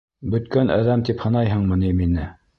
Бөткән әҙәм тип һанайһыңмы ни мине?